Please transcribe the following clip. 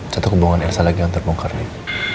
satu hubungan elsa lagi yang terbongkar nick